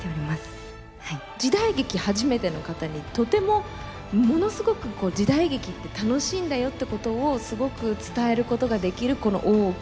時代劇初めての方にとてもものすごく時代劇って楽しいんだよってことをすごく伝えることができるこの「大奥」っていう作品